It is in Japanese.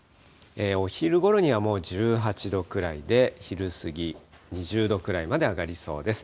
お昼ごろにはもう１８度くらいで、昼過ぎ、２０度くらいまで上がりそうです。